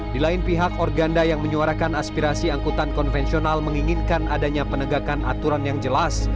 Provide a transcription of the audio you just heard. di lain pihak organda yang menyuarakan aspirasi angkutan konvensional menginginkan adanya penegakan aturan yang jelas